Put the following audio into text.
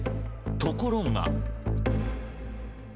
ところが。